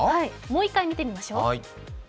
もう１回見てみましょう。